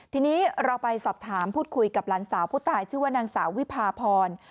ทีนี้เราไปสอบถามพูดคุยกับหลานสาวผู้ตายชื่อว่านางสาววิพาพร